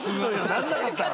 鳴んなかったら。